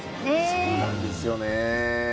そうなんですよね。